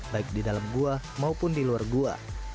baik di dalam gua maupun di luar gua